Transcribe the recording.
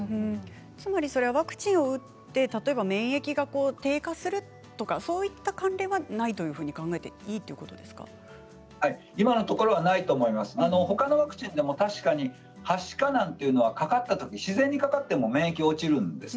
つまりワクチンを打って例えば免疫が低下するとかそういったことではないというふうに考えて今のところはないと思います、ほかのワクチンでも確かにはしかなんていうのはかかったとき自然にかかっても免疫が落ちるんです。